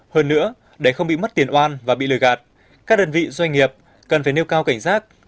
hơn nữa để không bị mất tiền oan và bị lừa gạt các đơn vị doanh nghiệp cần phải nêu cao cảnh giác